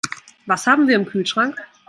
Was haben wir im Kühlschrank?